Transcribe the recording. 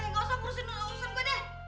umi lu urusin urusan gue deh